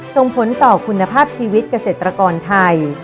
ส่งผลต่อคุณภาพชีวิตเกษตรกรไทย